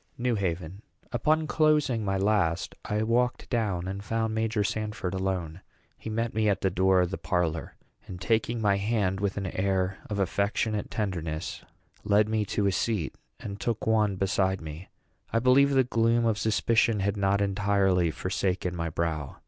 NEW HAVEN. Upon closing my last, I walked down, and found Major Sanford alone. He met me at the door of the parlor, and, taking my hand with an air of affectionate tenderness, led me to a seat, and took one beside me. I believe the gloom of suspicion had not entirely forsaken my brow.